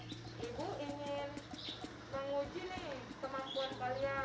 ibu ingin menguji nih kemampuan kalian